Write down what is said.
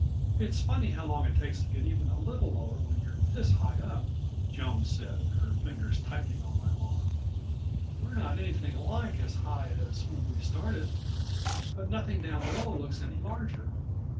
"It's funny how long it takes to get even a little lower when you're this high up," Joan said, her fingers tightening on my arm. "We're not anything like as high as when we started. But nothing down below looks any larger."